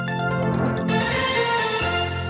โปรดติดตามตอนต่อไป